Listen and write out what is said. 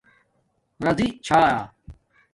راضی چھا